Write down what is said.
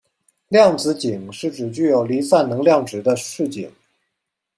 量子阱是指具有离散能量值的势阱。